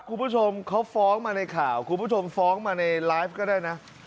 คุณผู้ชมเขาฟ้องมาในข่าวคุณผู้ชมฟ้องมาในไลฟ์ก็ได้นะ